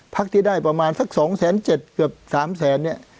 ที่ได้ประมาณสัก๒๗๐๐เกือบ๓แสนเนี่ย